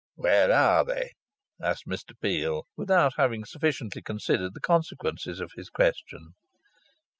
"Where are they?" asked Mr Peel, without having; sufficiently considered the consequences of his question.